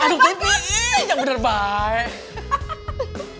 aduh tv jangan bener bener baik